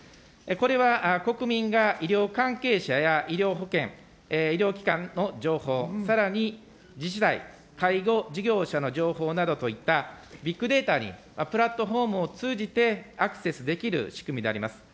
これは国民が医療関係者や、医療保険、医療機関の情報、さらに自治体、介護事業者の情報などといった、ビッグデータにプラットフォームを通じてアクセスできる仕組みであります。